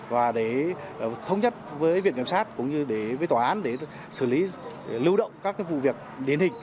và để thống nhất với việc kiểm soát cũng như với tòa án để xử lý lưu động các vụ việc điến hình